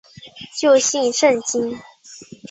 旧姓胜津。